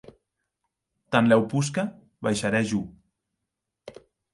Tanlèu posca baisharè jo.